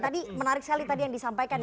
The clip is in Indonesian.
tadi menarik sekali tadi yang disampaikan